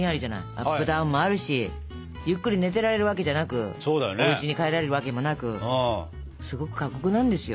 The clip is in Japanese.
アップダウンもあるしゆっくり寝てられるわけじゃなくおうちに帰られるわけもなくすごく過酷なんですよ。